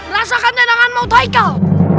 rasakan jenangan mokta ikau